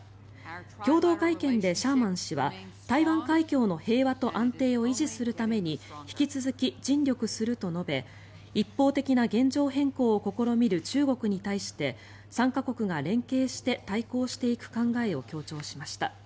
共同会見でシャーマン氏は台湾海峡の平和と安定を維持するために引き続き尽力すると述べ一方的な現状変更を試みる中国に対して３か国が連携して対抗していく考えを強調しました。